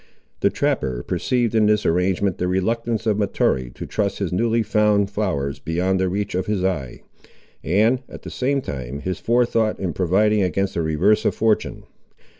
The trapper perceived in this arrangement the reluctance of Mahtoree to trust his newly found flowers beyond the reach of his eye; and, at the same time, his forethought in providing against a reverse of fortune.